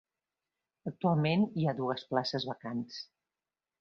Actualment, hi ha dos places vacants.